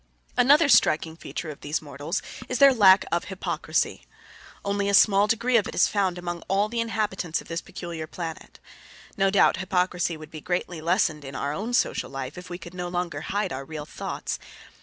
Another striking feature of these mortals is their lack of hypocrisy. Only a small degree of it is found among all the inhabitants of this peculiar planet. No doubt hypocrisy would be greatly lessened in our own social life if we could no longer hide our real thoughts.